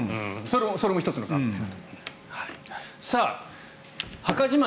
それも１つの考え方。